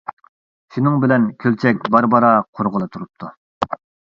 شۇنىڭ بىلەن كۆلچەك بارا-بارا قۇرۇغىلى تۇرۇپتۇ.